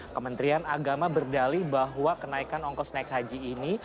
kementerian agama berdali bahwa kenaikan ongkos naik haji ini